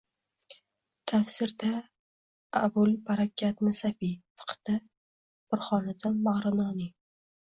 tafsirda Abulbarakot Nasafiy, fiqhda Burhoniddin Marg‘iloniy